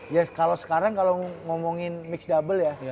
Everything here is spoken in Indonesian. ya kalau sekarang kalau ngomongin mixed double ya